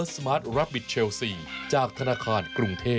สวัสดีครับค่าวใส่ไข่สดใหม่ให้เยอะ